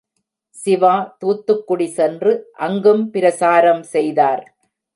சிவா, தூத்துக்குடி சென்று அங்கும் பிரசாரம் செய்தார்.